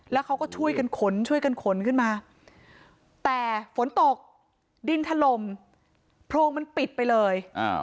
แล้วเขาก็ช่วยกันขนช่วยกันขนขึ้นมาแต่ฝนตกดินถล่มโพรงมันปิดไปเลย